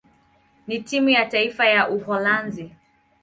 na timu ya taifa ya Uholanzi.